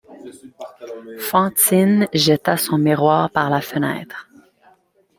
Fantine jeta son miroir par la fenêtre.